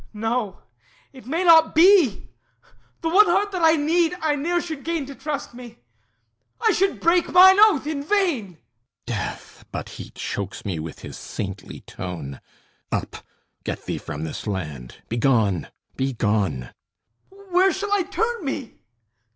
No. It may not be! The one heart that I need I ne'er should gain To trust me. I should break mine oath in vain. THESEUS Death! but he chokes me with his saintly tone! Up, get thee from this land! Begone! Begone! HIPPOLYTUS Where shall I turn me?